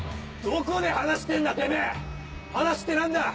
どこで話してんだてめぇ話って何だ⁉